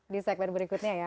di segmen berikutnya ya